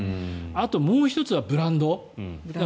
あともう１つはブランド。